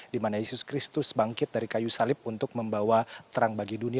di mana yesus kristus bangkit dari kayu salib untuk membawa terang bagi dunia